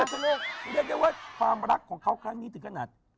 เรียกได้ว่าความรักของเขาครั้งนี้ถึงขนาด